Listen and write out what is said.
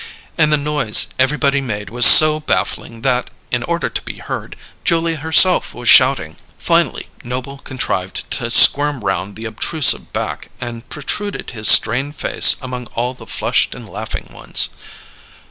And the noise everybody made was so baffling that, in order to be heard, Julia herself was shouting. Finally Noble contrived to squirm round the obtrusive back, and protruded his strained face among all the flushed and laughing ones.